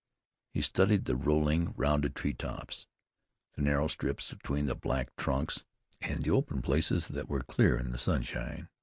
He studied the rolling, rounded tree tops, the narrow strips between the black trunks, and the open places that were clear in the sunshine.